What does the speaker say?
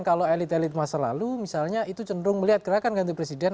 kalau elit elit masa lalu misalnya itu cenderung melihat gerakan ganti presiden